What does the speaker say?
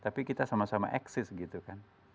tapi kita sama sama eksis gitu kan